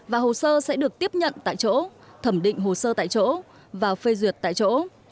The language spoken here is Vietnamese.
và hồ sơ sẽ được tiếp nhận tại chỗ thẩm định hồ sơ tại chỗ và phê duyệt tại chỗ